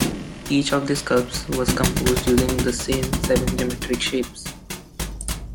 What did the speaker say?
Each of these cups was composed using the same seven geometric shapes.